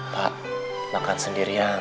pak makan sendirian